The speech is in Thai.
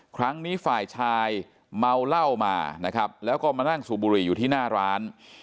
ครั้งนี้ฝ่ายชายเมาเหล้ามานะครับแล้วก็มานั่งสูบบุหรี่อยู่ที่หน้าร้าน